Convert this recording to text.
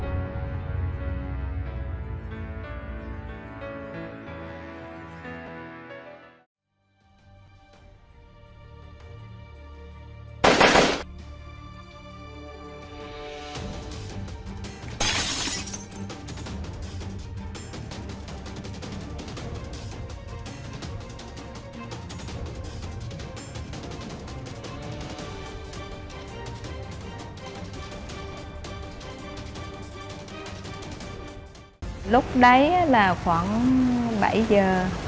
vào lúc này là khoảng bảy giờ